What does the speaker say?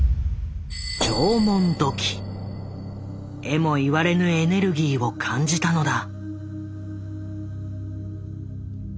えも言われぬエネルギーを感じたのだ。